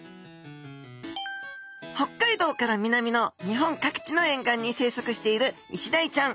北海道から南の日本各地の沿岸に生息しているイシダイちゃん。